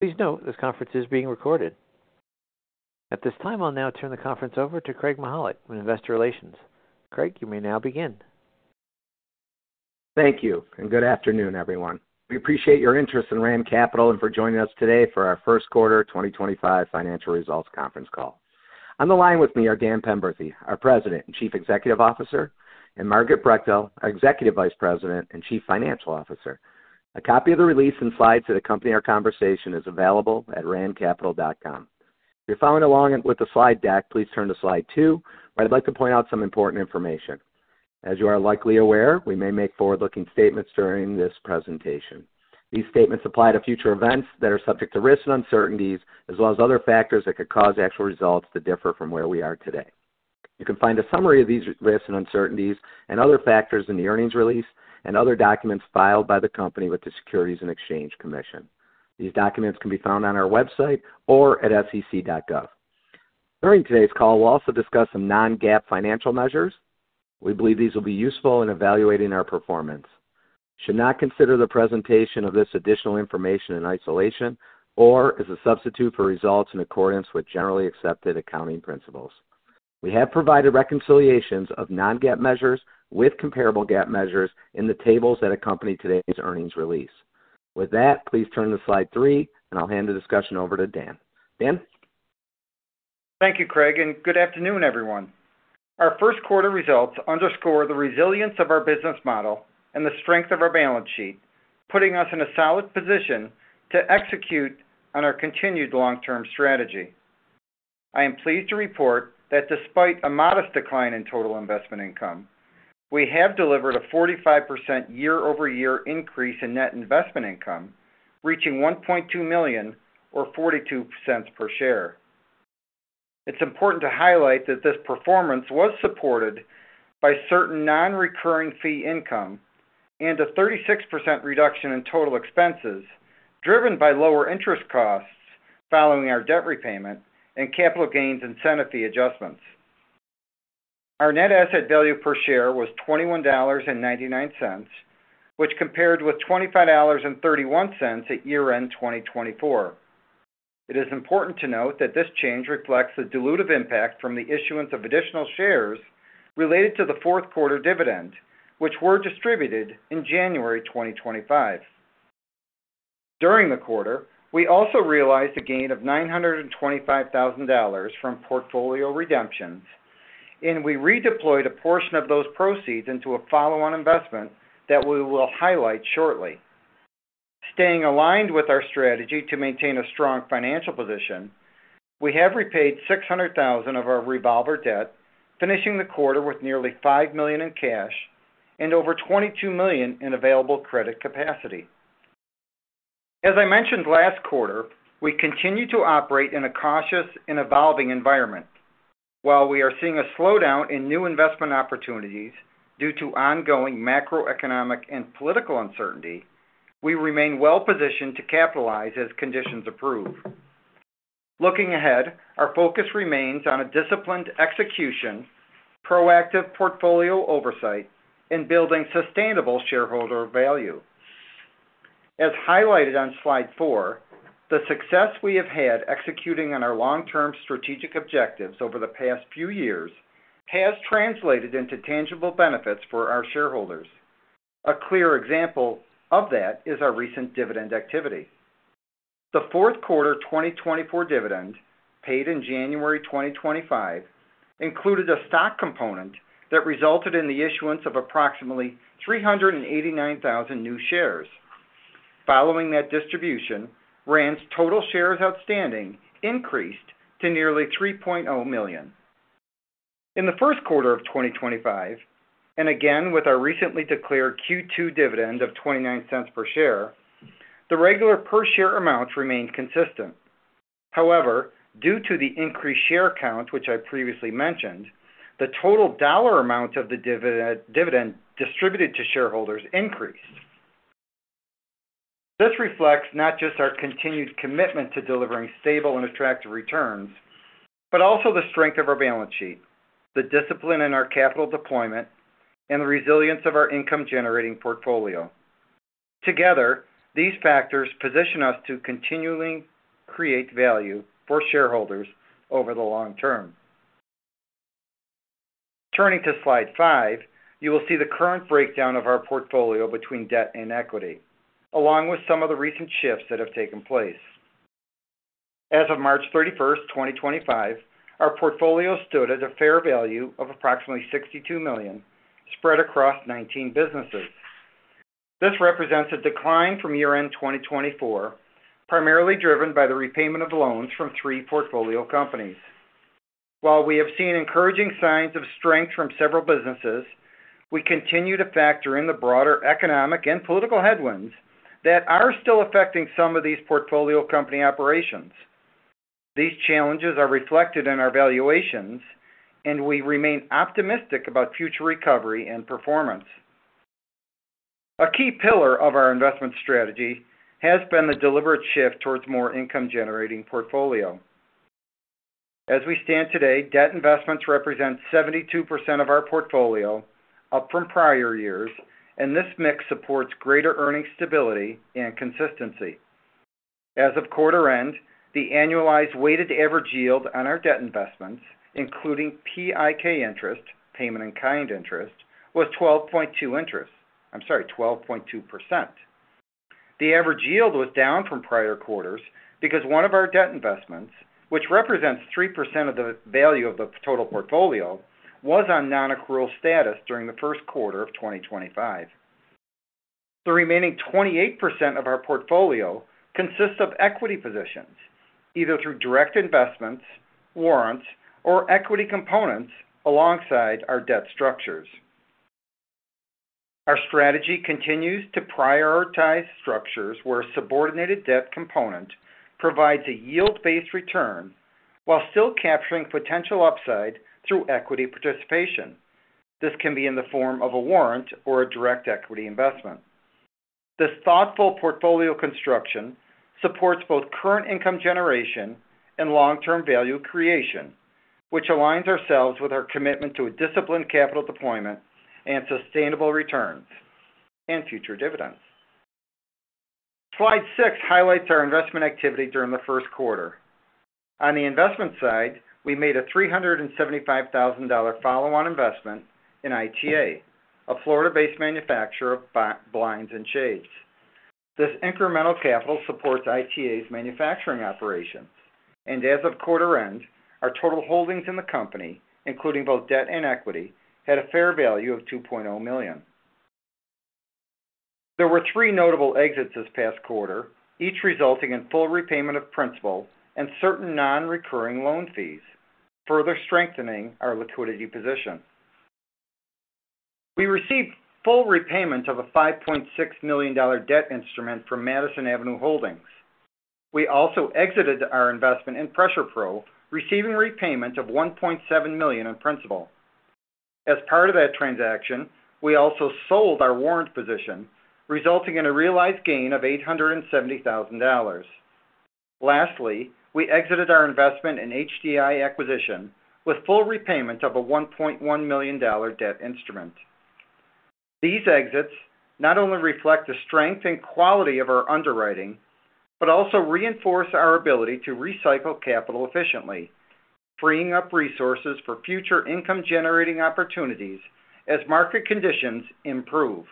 Please note this conference is being recorded. At this time, I'll now turn the conference over to Craig Mychajluk with Investor Relations. Craig, you may now begin. Thank you, and good afternoon, everyone. We appreciate your interest in Rand Capital and for joining us today for our first quarter 2025 financial results conference call. On the line with me are Dan Penberthy, our President and Chief Executive Officer, and Margaret Brechtel, our Executive Vice President and Chief Financial Officer. A copy of the release and slides that accompany our conversation is available at randcapital.com. If you're following along with the slide deck, please turn to slide two, where I'd like to point out some important information. As you are likely aware, we may make forward-looking statements during this presentation. These statements apply to future events that are subject to risks and uncertainties, as well as other factors that could cause actual results to differ from where we are today. You can find a summary of these risks and uncertainties and other factors in the earnings release and other documents filed by the company with the Securities and Exchange Commission. These documents can be found on our website or at sec.gov. During today's call, we'll also discuss some non-GAAP financial measures. We believe these will be useful in evaluating our performance. You should not consider the presentation of this additional information in isolation or as a substitute for results in accordance with generally accepted accounting principles. We have provided reconciliations of non-GAAP measures with comparable GAAP measures in the tables that accompany today's earnings release. With that, please turn to slide three, and I'll hand the discussion over to Dan. Dan? Thank you, Craig, and good afternoon, everyone. Our first quarter results underscore the resilience of our business model and the strength of our balance sheet, putting us in a solid position to execute on our continued long-term strategy. I am pleased to report that despite a modest decline in total investment income, we have delivered a 45% year-over-year increase in net investment income, reaching $1.2 million, or $0.42 per share. It's important to highlight that this performance was supported by certain non-recurring fee income and a 36% reduction in total expenses driven by lower interest costs following our debt repayment and capital gains incentive fee adjustments. Our net asset value per share was $21.99, which compared with $25.31 at year-end 2024. It is important to note that this change reflects the dilutive impact from the issuance of additional shares related to the fourth quarter dividend, which were distributed in January 2025. During the quarter, we also realized a gain of $925,000 from portfolio redemptions, and we redeployed a portion of those proceeds into a follow-on investment that we will highlight shortly. Staying aligned with our strategy to maintain a strong financial position, we have repaid $600,000 of our revolver debt, finishing the quarter with nearly $5 million in cash and over $22 million in available credit capacity. As I mentioned last quarter, we continue to operate in a cautious and evolving environment. While we are seeing a slowdown in new investment opportunities due to ongoing macroeconomic and political uncertainty, we remain well-positioned to capitalize as conditions improve. Looking ahead, our focus remains on a disciplined execution, proactive portfolio oversight, and building sustainable shareholder value. As highlighted on slide four, the success we have had executing on our long-term strategic objectives over the past few years has translated into tangible benefits for our shareholders. A clear example of that is our recent dividend activity. The fourth quarter 2024 dividend, paid in January 2025, included a stock component that resulted in the issuance of approximately 389,000 new shares. Following that distribution, Rand's total shares outstanding increased to nearly 3.0 million. In the first quarter of 2025, and again with our recently declared Q2 dividend of $0.29 per share, the regular per share amounts remained consistent. However, due to the increased share count, which I previously mentioned, the total dollar amount of the dividend distributed to shareholders increased. This reflects not just our continued commitment to delivering stable and attractive returns, but also the strength of our balance sheet, the discipline in our capital deployment, and the resilience of our income-generating portfolio. Together, these factors position us to continually create value for shareholders over the long term. Turning to slide five, you will see the current breakdown of our portfolio between debt and equity, along with some of the recent shifts that have taken place. As of March 31st, 2025, our portfolio stood at a fair value of approximately $62 million spread across 19 businesses. This represents a decline from year-end 2024, primarily driven by the repayment of loans from three portfolio companies. While we have seen encouraging signs of strength from several businesses, we continue to factor in the broader economic and political headwinds that are still affecting some of these portfolio company operations. These challenges are reflected in our valuations, and we remain optimistic about future recovery and performance. A key pillar of our investment strategy has been the deliberate shift towards more income-generating portfolio. As we stand today, debt investments represent 72% of our portfolio, up from prior years, and this mix supports greater earnings stability and consistency. As of quarter end, the annualized weighted average yield on our debt investments, including PIK interest, Payment-in-Kind interest, was 12.2%. I'm sorry, 12.2%. The average yield was down from prior quarters because one of our debt investments, which represents 3% of the value of the total portfolio, was on non-accrual status during the first quarter of 2025. The remaining 28% of our portfolio consists of equity positions, either through direct investments, warrants, or equity components alongside our debt structures. Our strategy continues to prioritize structures where a subordinated debt component provides a yield-based return while still capturing potential upside through equity participation. This can be in the form of a warrant or a direct equity investment. This thoughtful portfolio construction supports both current income generation and long-term value creation, which aligns ourselves with our commitment to a disciplined capital deployment and sustainable returns and future dividends. Slide six highlights our investment activity during the first quarter. On the investment side, we made a $375,000 follow-on investment in ITA, a Florida-based manufacturer of blinds and shades. This incremental capital supports ITA's manufacturing operations. As of quarter end, our total holdings in the company, including both debt and equity, had a fair value of $2.0 million. There were three notable exits this past quarter, each resulting in full repayment of principal and certain non-recurring loan fees, further strengthening our liquidity position. We received full repayment of a $5.6 million debt instrument from Madison Avenue Holdings. We also exited our investment in PressurePro, receiving repayment of $1.7 million in principal. As part of that transaction, we also sold our warrant position, resulting in a realized gain of $870,000. Lastly, we exited our investment in HDI Acquisition with full repayment of a $1.1 million debt instrument. These exits not only reflect the strength and quality of our underwriting but also reinforce our ability to recycle capital efficiently, freeing up resources for future income-generating opportunities as market conditions improve.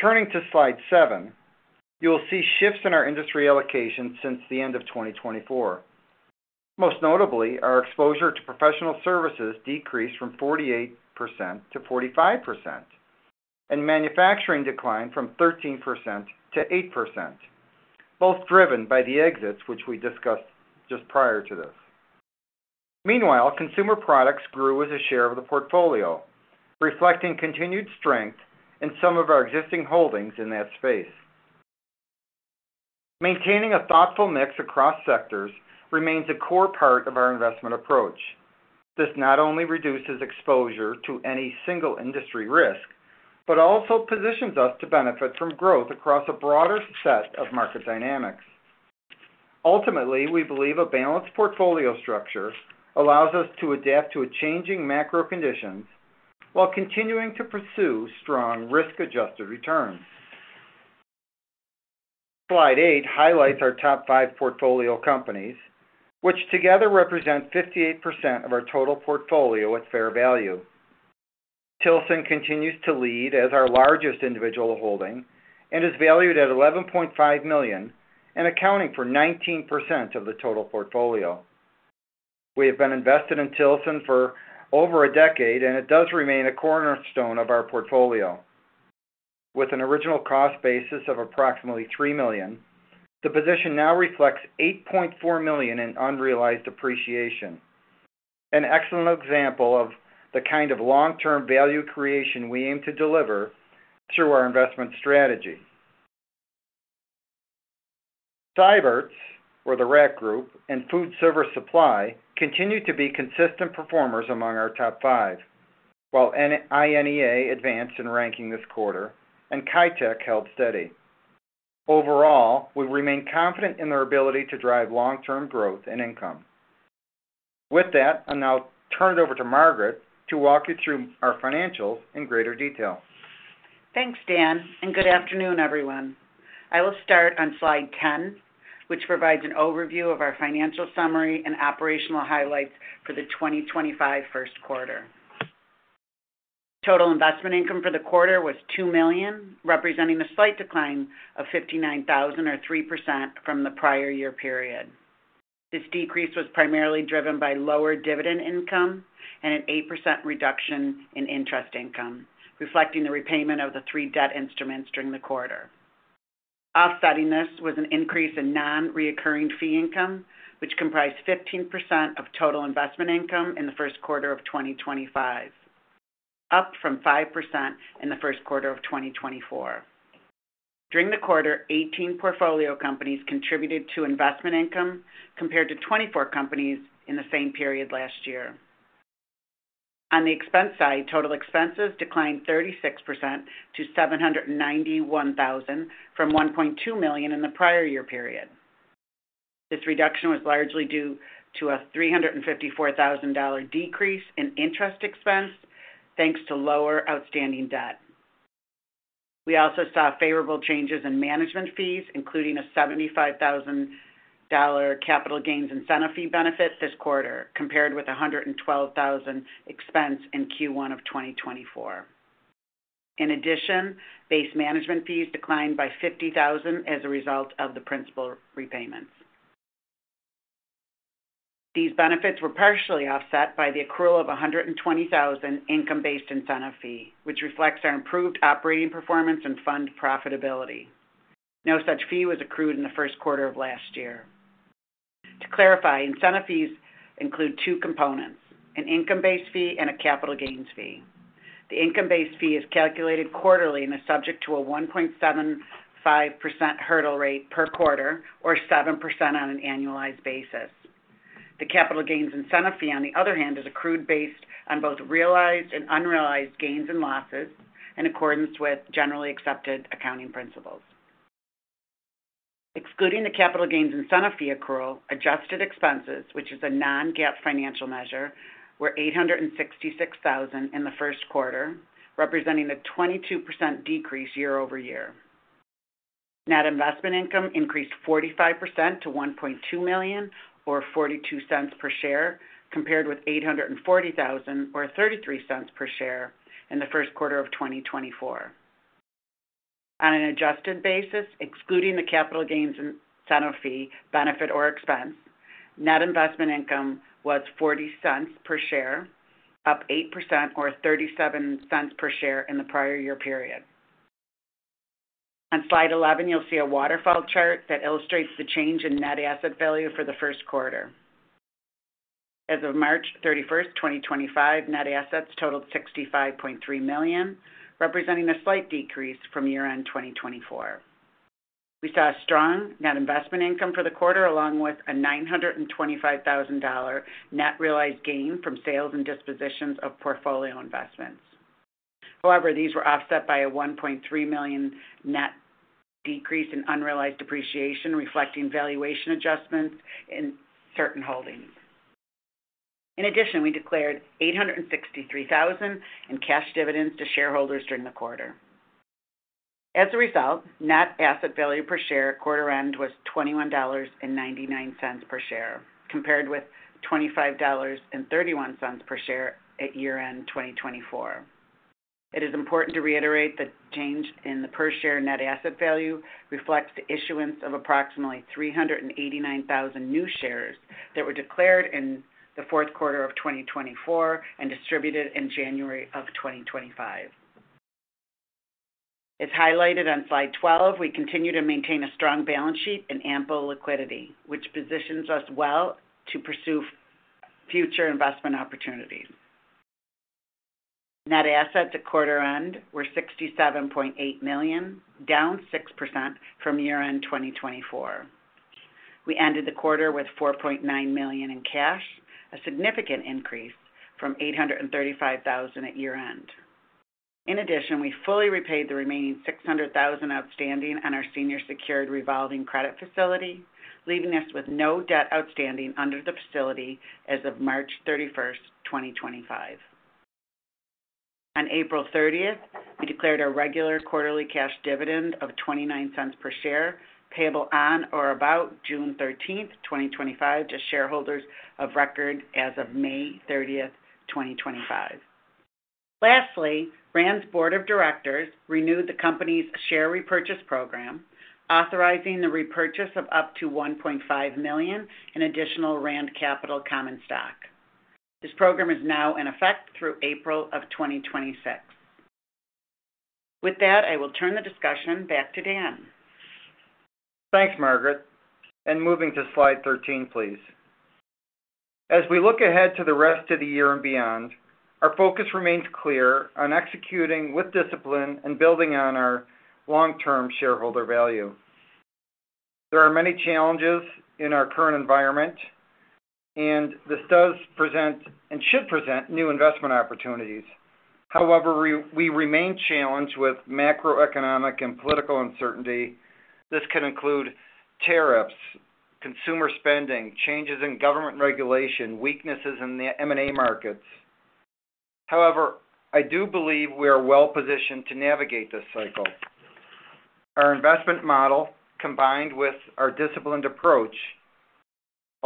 Turning to slide seven, you will see shifts in our industry allocation since the end of 2024. Most notably, our exposure to professional services decreased from 48% to 45%, and manufacturing declined from 13% to 8%, both driven by the exits which we discussed just prior to this. Meanwhile, consumer products grew as a share of the portfolio, reflecting continued strength in some of our existing holdings in that space. Maintaining a thoughtful mix across sectors remains a core part of our investment approach. This not only reduces exposure to any single industry risk but also positions us to benefit from growth across a broader set of market dynamics. Ultimately, we believe a balanced portfolio structure allows us to adapt to changing macro conditions while continuing to pursue strong, risk-adjusted returns. Slide eight highlights our top five portfolio companies, which together represent 58% of our total portfolio at fair value. Tilson continues to lead as our largest individual holding and is valued at $11.5 million and accounting for 19% of the total portfolio. We have been invested in Tilson for over a decade, and it does remain a cornerstone of our portfolio. With an original cost basis of approximately $3 million, the position now reflects $8.4 million in unrealized appreciation, an excellent example of the kind of long-term value creation we aim to deliver through our investment strategy. Cyberts, or the Rack Group, and Food Service Supply continue to be consistent performers among our top five, while INEA advanced in ranking this quarter and CAITEC held steady. Overall, we remain confident in their ability to drive long-term growth and income. With that, I'll now turn it over to Margaret to walk you through our financials in greater detail. Thanks, Dan, and good afternoon, everyone. I will start on slide 10, which provides an overview of our financial summary and operational highlights for the 2025 first quarter. Total investment income for the quarter was $2 million, representing a slight decline of $59,000 or 3% from the prior year period. This decrease was primarily driven by lower dividend income and an 8% reduction in interest income, reflecting the repayment of the three debt instruments during the quarter. Offsetting this was an increase in non-recurring fee income, which comprised 15% of total investment income in the first quarter of 2025, up from 5% in the first quarter of 2024. During the quarter, 18 portfolio companies contributed to investment income compared to 24 companies in the same period last year. On the expense side, total expenses declined 36% to $791,000 from $1.2 million in the prior year period. This reduction was largely due to a $354,000 decrease in interest expense, thanks to lower outstanding debt. We also saw favorable changes in management fees, including a $75,000 capital gains incentive fee benefit this quarter, compared with $112,000 expense in Q1 of 2024. In addition, base management fees declined by $50,000 as a result of the principal repayments. These benefits were partially offset by the accrual of $120,000 income-based incentive fee, which reflects our improved operating performance and fund profitability. No such fee was accrued in the first quarter of last year. To clarify, incentive fees include two components: an income-based fee and a capital gains fee. The income-based fee is calculated quarterly and is subject to a 1.75% hurdle rate per quarter, or 7% on an annualized basis. The capital gains incentive fee, on the other hand, is accrued based on both realized and unrealized gains and losses in accordance with generally accepted accounting principles. Excluding the capital gains incentive fee accrual, adjusted expenses, which is a non-GAAP financial measure, were $866,000 in the first quarter, representing a 22% decrease year-over-year. Net investment income increased 45% to $1.2 million, or $0.42 per share, compared with $840,000, or $0.33 per share, in the first quarter of 2024. On an adjusted basis, excluding the capital gains incentive fee benefit or expense, net investment income was $0.40 per share, up 8%, or $0.37 per share in the prior year period. On slide 11, you'll see a waterfall chart that illustrates the change in net asset value for the first quarter. As of March 31st, 2025, net assets totaled $65.3 million, representing a slight decrease from year-end 2024. We saw strong net investment income for the quarter, along with a $925,000 net realized gain from sales and dispositions of portfolio investments. However, these were offset by a $1.3 million net decrease in unrealized depreciation, reflecting valuation adjustments in certain holdings. In addition, we declared $863,000 in cash dividends to shareholders during the quarter. As a result, net asset value per share at quarter end was $21.99 per share, compared with $25.31 per share at year-end 2024. It is important to reiterate that the change in the per-share net asset value reflects the issuance of approximately 389,000 new shares that were declared in the fourth quarter of 2024 and distributed in January of 2025. As highlighted on slide 12, we continue to maintain a strong balance sheet and ample liquidity, which positions us well to pursue future investment opportunities. Net assets at quarter end were $67.8 million, down 6% from year-end 2024. We ended the quarter with $4.9 million in cash, a significant increase from $835,000 at year-end. In addition, we fully repaid the remaining $600,000 outstanding on our senior secured revolving credit facility, leaving us with no debt outstanding under the facility as of March 31st, 2025. On April 30th, we declared a regular quarterly cash dividend of $0.29 per share, payable on or about June 13th, 2025, to shareholders of record as of May 30th, 2025. Lastly, Rand's Board of Directors renewed the company's share repurchase program, authorizing the repurchase of up to $1.5 million in additional Rand Capital Common Stock. This program is now in effect through April of 2026. With that, I will turn the discussion back to Dan. Thanks, Margaret. Moving to slide 13, please. As we look ahead to the rest of the year and beyond, our focus remains clear on executing with discipline and building on our long-term shareholder value. There are many challenges in our current environment, and this does present and should present new investment opportunities. However, we remain challenged with macroeconomic and political uncertainty. This can include tariffs, consumer spending, changes in government regulation, weaknesses in the M&A markets. However, I do believe we are well-positioned to navigate this cycle. Our investment model, combined with our disciplined approach,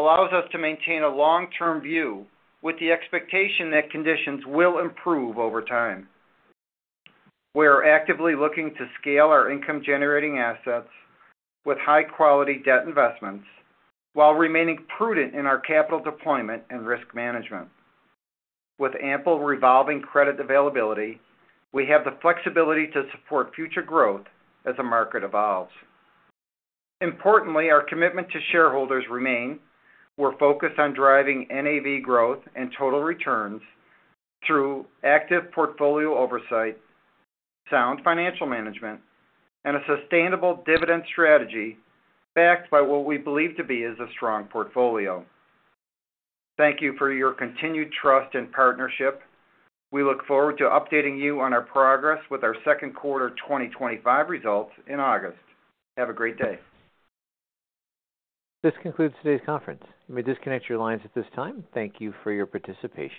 allows us to maintain a long-term view with the expectation that conditions will improve over time. We are actively looking to scale our income-generating assets with high-quality debt investments while remaining prudent in our capital deployment and risk management. With ample revolving credit availability, we have the flexibility to support future growth as the market evolves. Importantly, our commitment to shareholders remains. We're focused on driving NAV growth and total returns through active portfolio oversight, sound financial management, and a sustainable dividend strategy backed by what we believe to be a strong portfolio. Thank you for your continued trust and partnership. We look forward to updating you on our progress with our second quarter 2025 results in August. Have a great day. This concludes today's conference. You may disconnect your lines at this time. Thank you for your participation.